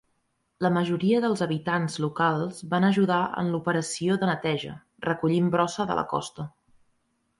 La majoria dels habitants locals van ajudar en l'operació de neteja, recollint brossa de la costa.